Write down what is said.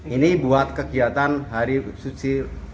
ini buat kegiatan hari suci